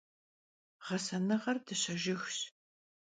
Ğesenığer dışe jjıgş.